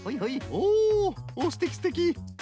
おおっすてきすてき。